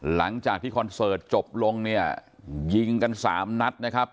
หลังจากที่คอนเสิร์ตจบลงเนี่ยยิงกันสามนัดนะครับ